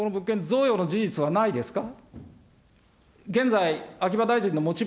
贈与の事実はないですか。